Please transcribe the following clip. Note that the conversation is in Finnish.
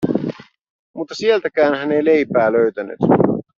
Mutta sieltäkään hän ei leipää löytänyt.